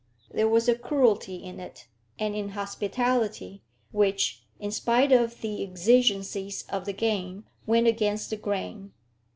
There was a cruelty in it, an inhospitality, which, in spite of the exigencies of the game, went against the grain.